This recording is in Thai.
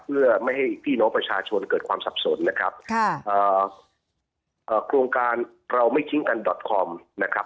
เพื่อไม่ให้พี่น้องประชาชนเกิดความสับสนนะครับโครงการเราไม่ทิ้งกันดอตคอมนะครับ